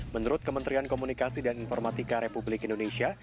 menurut kementerian komunikasi dan informatika republik indonesia